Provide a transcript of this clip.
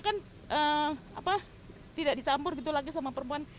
karena kan tidak dicampur lagi sama perempuan